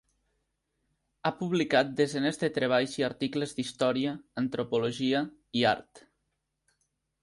Ha publicat desenes de treballs i articles d'història, antropologia i art.